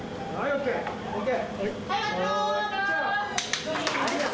・・ＯＫ！